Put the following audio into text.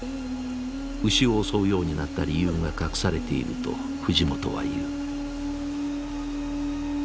牛を襲うようになった理由が隠されていると藤本は言う。